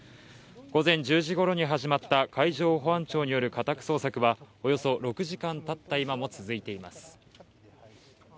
午前１０時ごろに始まった海上保安庁による家宅捜索はおよそ６時間たった今も続いています。